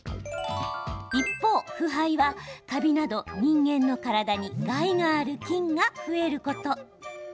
一方、腐敗はカビなど人間の体に害がある菌が増えること。